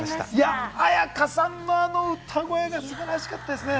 絢香さんのあの歌声が素晴らしかったですね。